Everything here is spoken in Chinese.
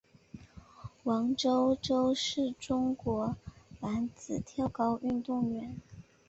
王舟舟是中国男子跳高运动员。